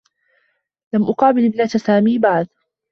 لم أقابل ابنة سامي بعد.